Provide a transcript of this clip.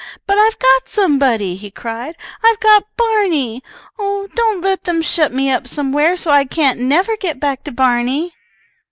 But I've got somebody!" he cried. "I've got Barney! Oh, don't let them shut me up somewhere so I can't never get back to Barney!"